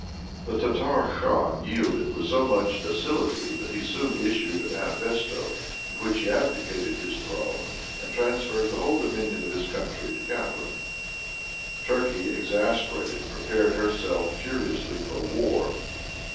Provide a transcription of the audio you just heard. The Tartar khan yielded with so much docility that he soon issued a manifesto in which he abdicated his throne, and transferred the whole dominion of his country to Catharine. Turkey, exasperated, prepared herself furiously for war.